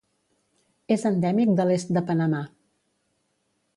És endèmic de l'est de Panamà.